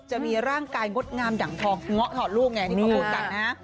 จะมีร่างกายงดงามดั่งทองเงาะถอดลูกไงที่เขาพูดกันนะฮะ